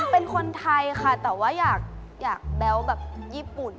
เป็นคนไทยค่ะแต่ว่าอยากแบ๊วแบบญี่ปุ่น